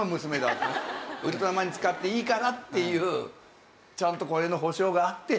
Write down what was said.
ウルトラマリン使っていいからっていうちゃんとこれの保証があって。